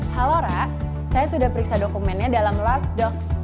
halo rak saya sudah periksa dokumennya dalam lark docs